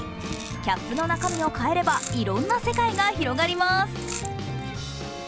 キャップの中身を変えればいろんな世界が広がります。